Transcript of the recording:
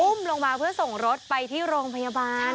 ลงมาเพื่อส่งรถไปที่โรงพยาบาล